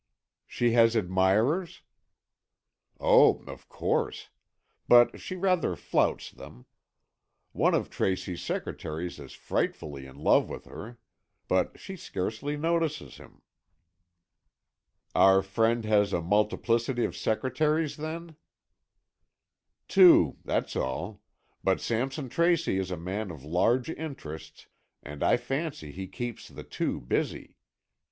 "She has admirers?" "Oh, of course. But she rather flouts them. One of Tracy's secretaries is frightfully in love with her. But she scarcely notices him." "Our friend has a multiplicity of secretaries, then?" "Two, that's all. But Sampson Tracy is a man of large interests, and I fancy he keeps the two busy.